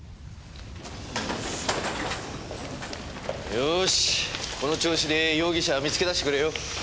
よしこの調子で容疑者を見つけ出してくれよ。